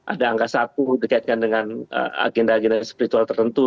ada angka satu dikaitkan dengan agenda agenda spiritual tertentu